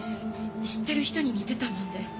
知ってる人に似てたもんで。